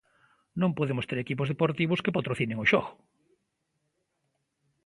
Non podemos ter equipos deportivos que patrocinen o xogo.